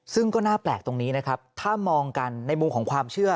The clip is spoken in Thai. ซึ่งก็น่าแปลกตรงนี้นะครับถ้ามองกันในมุมของความเชื่อ